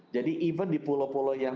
jadi bahkan di pulau pulau yang